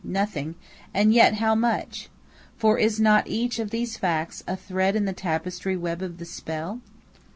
Nothing; and yet how much! For is not each of these facts a thread in the tapestry web of the spell?